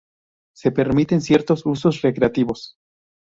Se permiten ciertos usos recreativos.